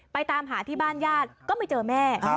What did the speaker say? ตามหาที่บ้านญาติก็ไม่เจอแม่